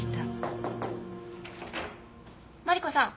マリコさん